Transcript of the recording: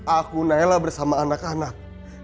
aku naila bersama anak anak